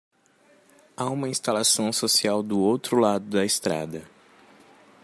Há uma instalação social do outro lado da estrada.